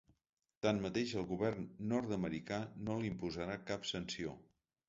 Tanmateix, el govern nord-americà no li imposarà cap sanció.